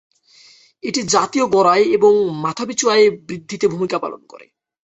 এটি জাতীয় গড় আয় এবং মাথাপিছু আয় বৃদ্ধিতে ভূমিকা পালন করে।